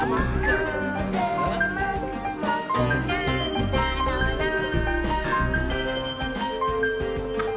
「もーくもくもくなんだろなぁ」